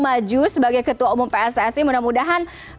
maju sebagai ketua umum pssi mudah mudahan